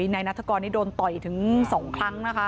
นายนัฐกรนี่โดนต่อยถึง๒ครั้งนะคะ